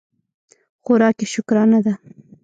خوراک یې شکرانه ده.